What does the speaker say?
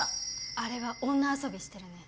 あれは女遊びしてるね。